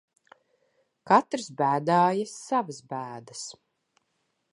Katrs bēdājas savas bēdas.